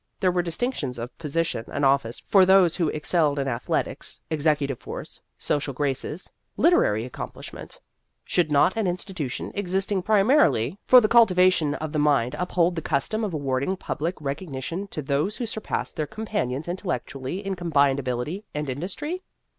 There were distinctions of position and office for those who excelled in ath letics, executive force, social graces, literary accomplishment. Should not an institution existing primarily for the n8 Vassar Studies cultivation of the mind uphold the custom of awarding public recognition to those who surpassed their companions intellec tually in combined ability and indus try?